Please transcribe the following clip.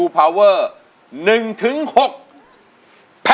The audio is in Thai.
ใช้ค่ะ